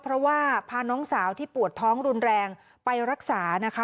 เพราะว่าพาน้องสาวที่ปวดท้องรุนแรงไปรักษานะคะ